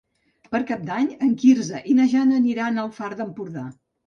Per Cap d'Any en Quirze i na Jana aniran al Far d'Empordà.